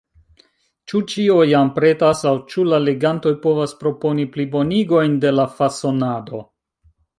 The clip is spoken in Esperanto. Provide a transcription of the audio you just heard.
Ĉu ĉio jam pretas, aŭ ĉu la legantoj povas proponi plibonigojn de la fasonado?